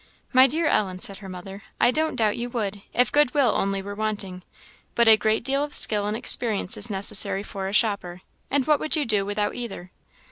"My dear Ellen," said her mother, "I don't doubt you would, if goodwill only were wanting; but a great deal of skill and experience is necessary for a shopper, and what would you do without either?"